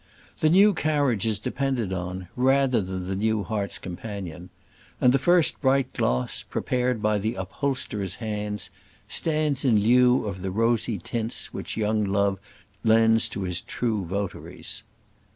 The new carriage is depended on rather than the new heart's companion; and the first bright gloss, prepared by the upholsterer's hands, stands in lieu of the rosy tints which young love lends to his true votaries.